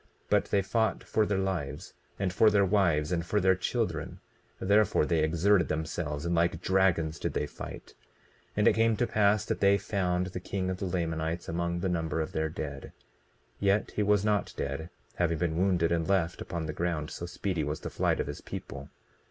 But they fought for their lives, and for their wives, and for their children; therefore they exerted themselves and like dragons did they fight. 20:12 And it came to pass that they found the king of the Lamanites among the number of their dead; yet he was not dead, having been wounded and left upon the ground, so speedy was the flight of his people.